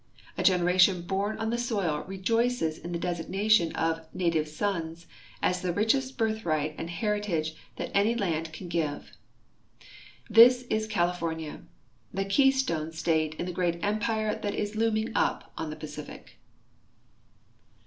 A generation horn on the soil rejoices in the designation of " Native Sons " as tlie richest birthright and lieritage that any land can give. This is California, the Keystone state in the great Empire tliat is looming up on the Pacific.